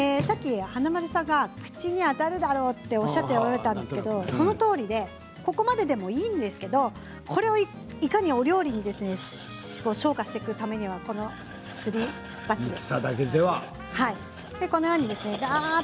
さっき華丸さんが口に当たるだろ、とおっしゃっておられたんですけどそのとおりでこのままでもいいんですけどこれを、お料理に昇華していくためにはすり鉢です。